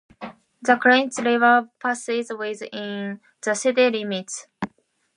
The Clinch River passes within the city limits.